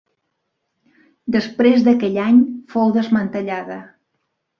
Després d’aquell any, fou desmantellada.